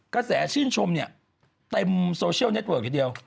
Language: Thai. กระแสชื่นชมเนี่ยเต็มโซเชียลเน็ตเวิร์กทีเดียว